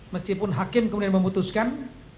meskipun hakim kemudian memutuskan